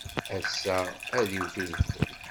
Ass-a, ad iwet udfel.